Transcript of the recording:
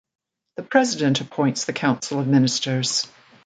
The President appoints the Council of Ministers.